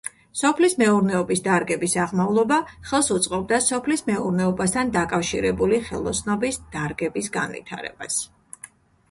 სოფლის მეურნეობის დარგების აღმავლობა ხელს უწყობდა სოფლის მეურნეობასთან დაკავშირებული ხელოსნობის დარგების განვითარებას.